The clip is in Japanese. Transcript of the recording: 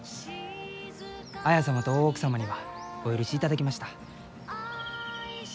綾様と大奥様にはお許しいただきました。